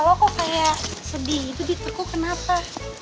muka lo kok kayak sedih gitu di teguk kenapa